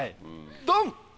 ドン！